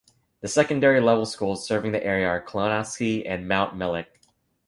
The secondary level schools serving the area are Clonaslee and Mountmellick.